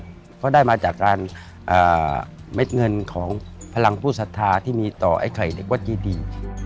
เพราะได้มาจากการเม็ดเงินของพลังผู้สัทธาที่มีต่อไอ้ไข่เด็กวัดเจดี